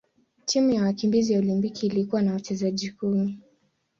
Timu ya wakimbizi ya Olimpiki ilikuwa na wachezaji kumi.